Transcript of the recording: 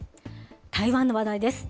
台湾の話題です。